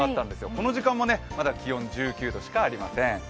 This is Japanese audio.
この時間もまだ気温１９度しかありません。